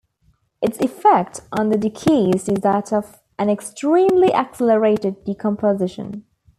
Its effect on the deceased is that of an extremely accelerated decomposition.